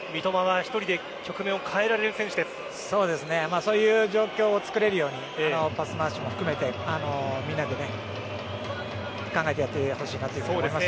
そういう状況をつくれるようにパス回しも含めてみんなで考えてやってほしいなと思います。